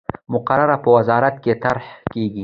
مقرره په وزارت کې طرح کیږي.